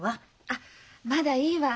あっまだいいわ。